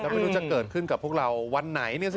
ก็ไม่รู้จะเกิดขึ้นกับพวกเราวันไหนเนี่ยสิ